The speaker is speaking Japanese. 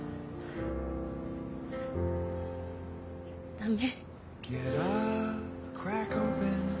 ダメ。